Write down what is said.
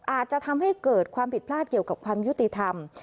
อาจจะทำให้เกิดความผิดพลาดเกี่ยวกับความยุติธรรม